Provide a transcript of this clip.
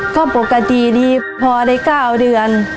ก็ปกติดีพอได้๙เดือน